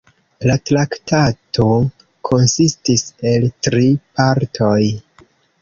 La Traktato konsistis el tri partoj.